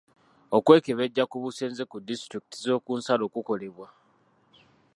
Okwekebeja ku busenze ku disitulikiti z'okunsalo kukolebwa.